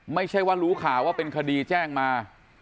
ไม่ใช่ว่ารู้ข่าวว่าเป็นคดีแจ้งมา